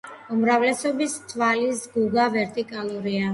უმრავლესობის თვალის გუგა ვერტიკალურია.